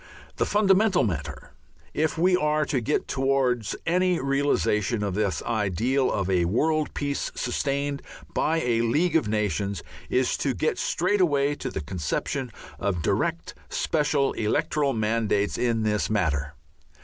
The fundamental matter, if we are to get towards any realization of this ideal of a world peace sustained by a League of Nations, is to get straight away to the conception of direct special electoral mandates in this matter.